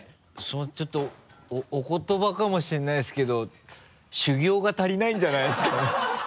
ちょっとお言葉かもしれないですけど修行が足りないんじゃないですかね？